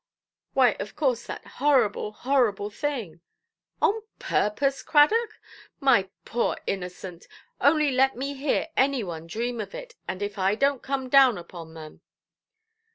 "Why, of course, that horrible, horrible thing". "On purpose, Cradock! My poor innocent! Only let me hear any one dream of it, and if I donʼt come down upon them".